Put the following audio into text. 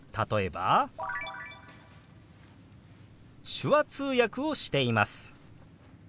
「手話通訳をしています」。